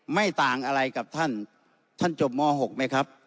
ไม่ต่างอะไรกับท่านท่านจบม๖ไหมครับ